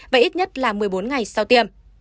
và ít nhất là một mươi bốn ngày sau tiêm